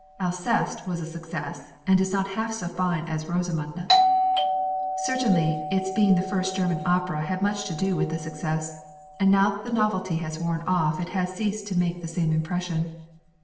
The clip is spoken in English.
'Alceste' was a success, and is not half so fine as 'Rosamunde.' Certainly its being the first German opera had much to do with the success; and now that the novelty has worn off it has ceased to make the same impression."